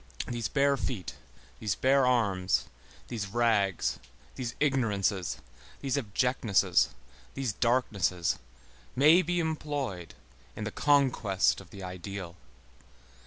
These bare feet, these bare arms, these rags, these ignorances, these abjectnesses, these darknesses, may be employed in the conquest of the ideal.